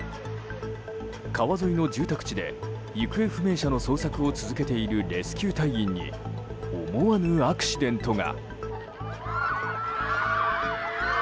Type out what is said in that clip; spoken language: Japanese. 川沿いの住宅地で行方不明者の捜索を続けているレスキュー隊員に思わぬアクシデントが。